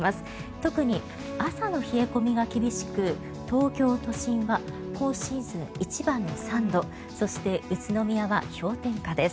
特に朝の冷え込みが厳しく東京都心は今シーズン一番の３度そして、宇都宮は氷点下です。